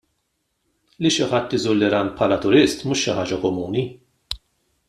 Li xi ħadd iżur l-Iran bħala turist mhux xi ħaġa komuni.